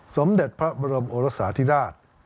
สมเด็จพระบรมโอรสาธิราช